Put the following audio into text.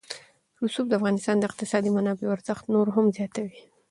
رسوب د افغانستان د اقتصادي منابعو ارزښت نور هم زیاتوي.